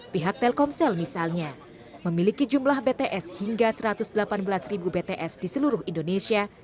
pihak telkomsel misalnya memiliki jumlah bts hingga satu ratus delapan belas ribu bts di seluruh indonesia